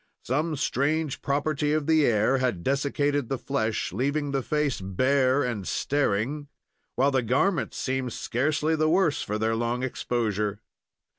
Some strange property of the air had dessicated the flesh, leaving the face bare and staring, while the garments seemed scarcely the worse for their long exposure.